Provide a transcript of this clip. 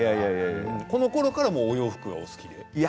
このころからお洋服が好きで？